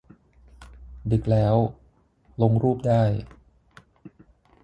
ดึกแล้ว ลงรูปได้